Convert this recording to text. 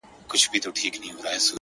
هره لاسته راوړنه خپل وخت غواړي.!